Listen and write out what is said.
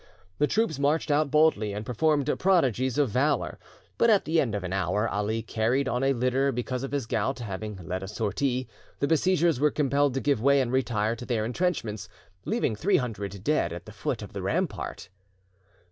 The troops marched out boldly, and performed prodigies of valour; but at the end of an hour, Ali, carried on a litter because of his gout, having led a sortie, the besiegers were compelled to give way and retire to their intrenchments, leaving three hundred dead at the foot of the rampart.